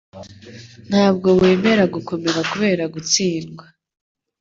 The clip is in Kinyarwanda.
ntabwo wemera gukomera kubera gutsindwa